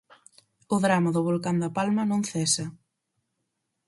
O drama do volcán da Palma non cesa.